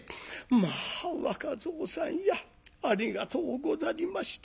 「まあ若蔵さんやありがとうござりました。